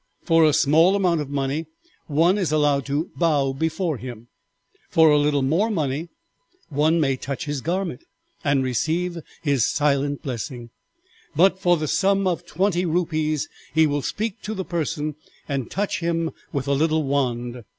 For a small amount of money one is allowed to bow before him; for a little more one may touch his garment, and receive his silent blessing; but for the sum of twenty rupees he will speak to the person and touch him with a little wand.